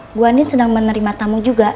ibu ani sedang menerima tamu juga